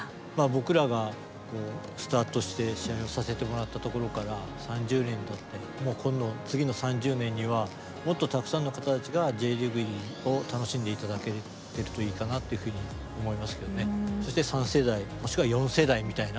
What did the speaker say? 僕らがスタートして試合をさせてもらったところから３０年たってもう今度次の３０年にはもっとたくさんの方たちがＪリーグを楽しんで頂けてるといいかなというふうに思いますけどね。